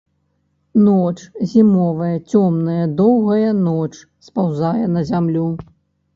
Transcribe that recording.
Ноч, зімовая, цёмная, даўгая ноч спаўзае на зямлю.